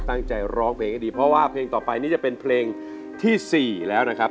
ตั้งใจร้องเพลงให้ดีเพราะว่าเพลงต่อไปนี่จะเป็นเพลงที่๔แล้วนะครับ